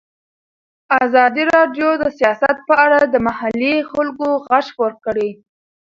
ازادي راډیو د سیاست په اړه د محلي خلکو غږ خپور کړی.